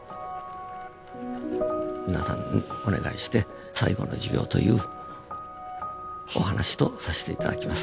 皆さんにお願いして「最後の授業」というお話とさせて頂きます。